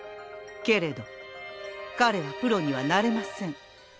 けれど彼はプロにはなれません。